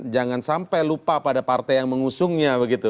jangan sampai lupa pada partai yang mengusungnya begitu